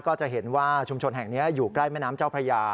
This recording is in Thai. ก็จะเห็นว่าชุมชนแห่งนี้อยู่ใกล้แม่น้ำเจ้าพระยา